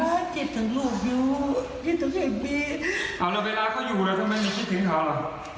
อาจารย์คิดถึงลูกอยู่คิดถึงแอบบีเอาแล้วเวลาเขาอยู่แล้วทำไมไม่คิดถึงเขาหรอ